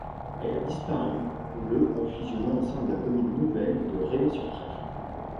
Elle a disparu le en fusionnant au sein de la commune nouvelle de Réaux-sur-Trèfle.